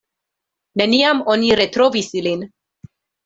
Neniam oni retrovis ilin.